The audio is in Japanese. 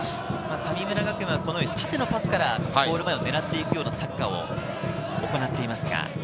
神村学園は縦のパスからゴール前を狙っていくようなサッカーを行っています。